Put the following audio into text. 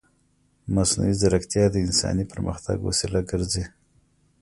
مصنوعي ځیرکتیا د انساني پرمختګ وسیله ګرځي.